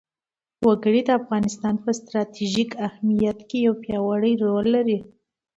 وګړي د افغانستان په ستراتیژیک اهمیت کې یو پیاوړی رول لري.